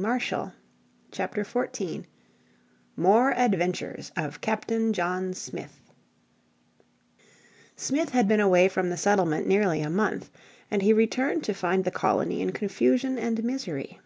__________ Chapter 14 More Adventures of Captain John Smith Smith had been away from the settlement nearly a month, and he returned to find the colony in confusion and misery.